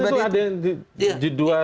tapi kan itu ada judul asis